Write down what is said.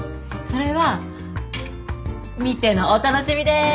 それは見てのお楽しみです。